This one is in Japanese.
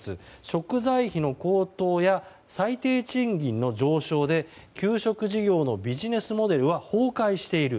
食材費の高騰や最低賃金の上昇で給食事業のビジネスモデルは崩壊している。